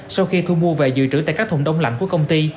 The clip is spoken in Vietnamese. sau khi thu mua về dự trữ tại các thùng đông lạnh của công ty